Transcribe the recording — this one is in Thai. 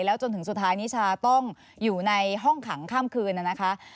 จนถึงสุดท้ายนิชาต้องอยู่ในห้องขังข้ามคืนนะคะ